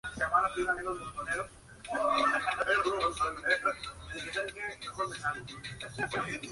Durante esos años, habló de su experiencia en el "Titanic".